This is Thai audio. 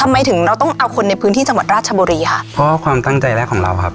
ทำไมถึงเราต้องเอาคนในพื้นที่จังหวัดราชบุรีค่ะเพราะว่าความตั้งใจแรกของเราครับ